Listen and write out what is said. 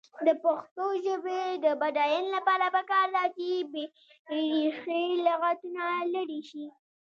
د پښتو ژبې د بډاینې لپاره پکار ده چې بېریښې لغتونه لرې شي.